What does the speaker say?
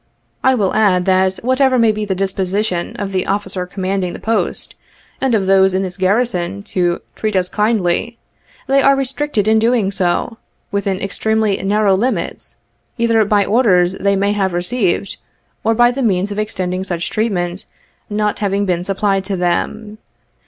I will add that, whatever may be the disposition of the officer commanding the post, and of those in this garrison, to ' treat us kindly,' they are restricted in doing so, within extremely narrow limits, either by other orders they may have received, or by the means of extending such treatment not having been supplied to them.